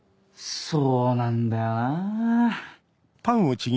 そうなんだよな。